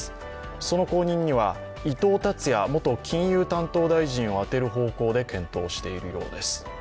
その後任には伊藤達也元金融担当大臣を充てる方向で検討しているようです。